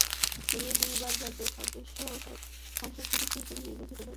তিনি দুইবার জাতীয় সংসদ সদস্য হিসেবে নির্বাচিত হয়েছিলেন।